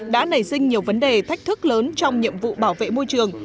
đã nảy sinh nhiều vấn đề thách thức lớn trong nhiệm vụ bảo vệ môi trường